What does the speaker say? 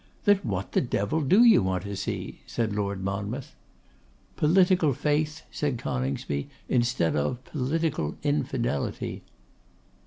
'Then what the devil do you want to see?' said Lord Monmouth. 'Political faith,' said Coningsby, 'instead of political infidelity.